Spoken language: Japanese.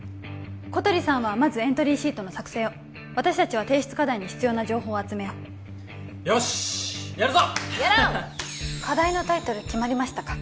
小鳥さんはまずエントリーシートの作成を私達は提出課題に必要な情報を集めようよしやるぞやろう課題のタイトル決まりましたか？